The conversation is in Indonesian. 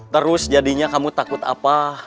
terus jadinya kamu takut apa